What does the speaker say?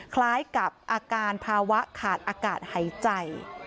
คล้ายกับอาการภาวะขาดอากาศหายใจ